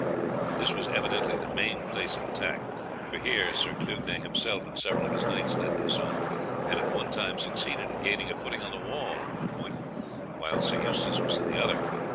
This was evidently the main place of attack, for here Sir Clugnet himself and several of his knights led the assault, and at one time succeeded in gaining a footing on the wall at one point, while Sir Eustace was at the other.